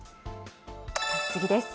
次です。